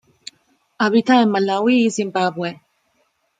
Habita en Malaui y Zimbabue.